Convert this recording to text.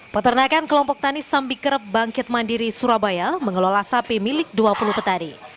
peternakan kelompok tanis sambikerep bangkit mandiri surabaya mengelola sapi milik dua puluh petari